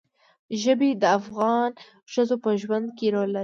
ژبې د افغان ښځو په ژوند کې رول لري.